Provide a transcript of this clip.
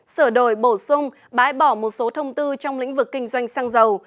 sửa đổi bổ sung bãi bỏ một số thông tư trong lĩnh vực kinh doanh xăng dầu